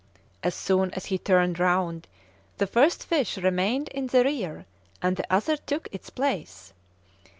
As soon as he turned round, the first fish remained in the rear, and the other took his place.